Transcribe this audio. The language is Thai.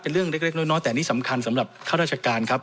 เรื่องเล็กน้อยแต่นี่สำคัญสำหรับข้าราชการครับ